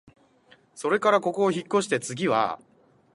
それからここをひっこして、つぎは、